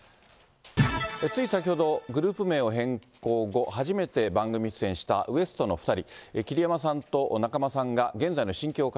つい先ほど、グループ名を変更後、初めて番組出演したＷＥＳＴ．の２人。